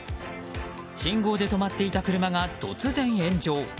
信号で止まっていた車が突然炎上。